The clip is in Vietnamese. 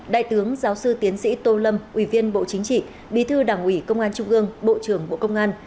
đại tướng giáo sư tiến sĩ tô lâm ủy viên bộ chính trị bí thư đảng ủy công an trung ương bộ trưởng bộ công an